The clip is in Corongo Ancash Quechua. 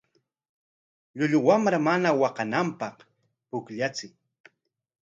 Llullu wamra mana waqananpaq pukllachiy.